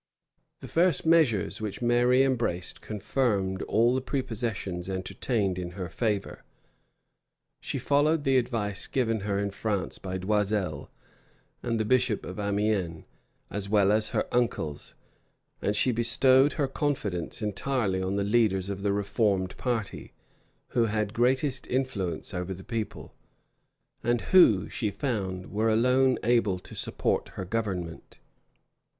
The first measures which Mary embraced confirmed all the prepossessions entertained in her favor. She followed the advice given her in France by D'Oisel and the bishop of Amiens, as well as her uncles; and she bestowed her confidence entirely on the leaders of the reformed party, who had greatest influence over the people, and who, she found, were alone able to support her government.